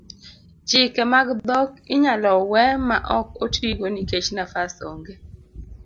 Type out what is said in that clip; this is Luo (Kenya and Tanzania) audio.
chike mag dhok inyalo we ma ok otigo nikech nafas ong'e